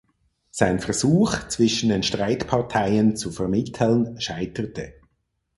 Sein Versuch, zwischen den Streitparteien zu vermitteln, scheiterte.